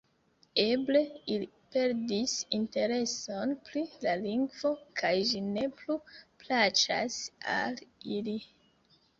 Eble ili perdis intereson pri la lingvo kaj ĝi ne plu plaĉas al ili.